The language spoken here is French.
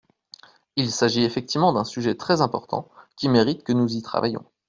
Il s’agit effectivement d’un sujet très important, qui mérite que nous y travaillions.